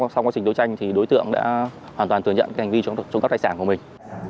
sau quá trình đấu tranh thì đối tượng đã hoàn toàn thừa nhận hành vi trộm cắp tài sản của mình